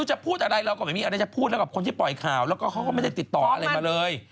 ไหลแก้มหายไปหมดเลย